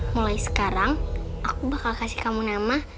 mulai sekarang aku bakal kasih kamu nama